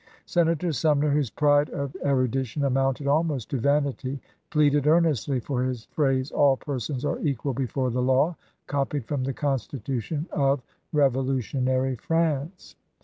Senator Sumner, whose pride of erudition amounted almost to vanity, pleaded earnestly for his phrase, "All persons are equal before the law," copied from the Constitution of revolutionary France.